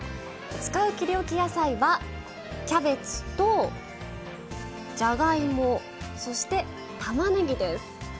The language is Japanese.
使う「切りおき野菜」はキャベツとじゃがいもそしてたまねぎです。